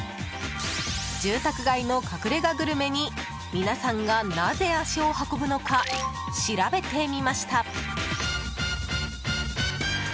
住宅街の隠れ家グルメに皆さんが、なぜ足を運ぶのか調べてみました。